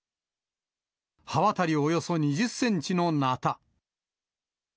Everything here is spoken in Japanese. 刃渡りおよそ２０センチのなた。